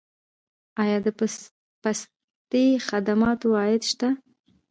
آیا د پستي خدماتو عاید شته؟